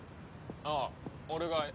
ああ俺が。